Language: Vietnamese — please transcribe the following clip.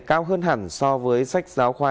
cao hơn hẳn so với sách giáo khoa